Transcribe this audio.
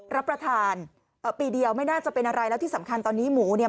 รับประทานปีเดียวไม่น่าจะเป็นอะไรแล้วที่สำคัญตอนนี้หมูเนี่ย